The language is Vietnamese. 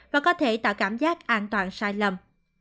và có thể tạo cảm giác an toàn sai lầm